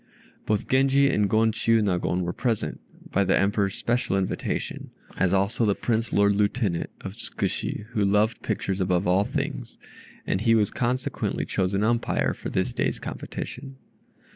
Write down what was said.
Both Genji and Gon Chiûnagon were present, by the Emperor's special invitation, as also the Prince Lord Lieutenant of Tzkushi who loved pictures above all things, and he was consequently chosen umpire for this day's competition.